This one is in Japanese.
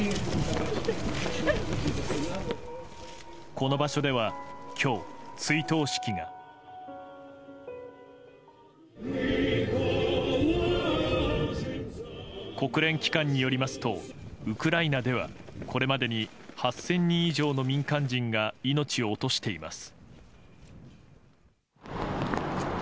この場所では今日追悼式が。国連機関によりますとウクライナではこれまでに８０００人以上の民間人が命を落としています。